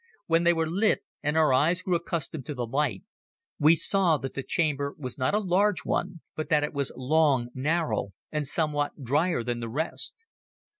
When they were lit and our eyes grew accustomed to the light, we saw that the chamber was not a large one, but that it was long, narrow and somewhat drier than the rest.